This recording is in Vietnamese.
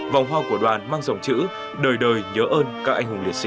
vòng hoa của đoàn mang dòng chữ đời đời nhớ ơn các anh hùng liệt sĩ